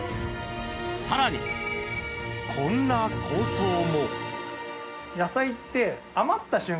更に、こんな構想も。